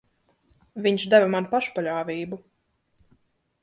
Viņš deva man pašpaļāvību.